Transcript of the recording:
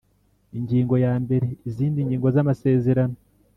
Ingingo ya mbere Izindi ngingo z amasezerano